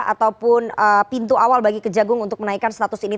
ataupun pintu awal bagi kejagung untuk menaikkan status ini